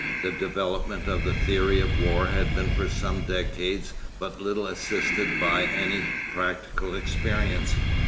The development of the theory of war had been for some decades but little assisted by any practical experience.